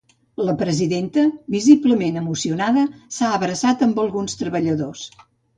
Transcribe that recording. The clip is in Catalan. La presidenta, visiblement emocionada, s’ha abraçat amb alguns treballadors.